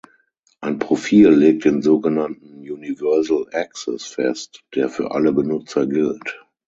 Ein Profil legt den sogenannten Universal Access fest, der für alle Benutzer gilt.